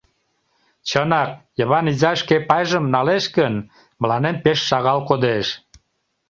Чынак, Йыван изай шке пайжым налеш гын, мыланем пеш шагал кодеш.